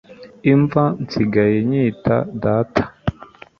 imva nsigaye nyita 'data'